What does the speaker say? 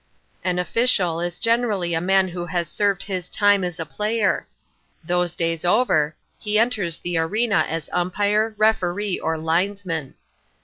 An official is generally a man who has served his time as a player. Those days over, he enters the arena as Umpire, Referee or Linesman.